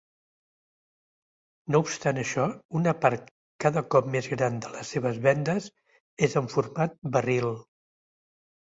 No obstant això, una part cada cop més gran de les seves vendes és en format barril.